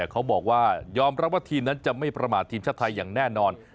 เขาบอกว่ายอมรับว่าทีมนั้นจะไม่ประมาททีมชาติไทยอย่างแน่นอน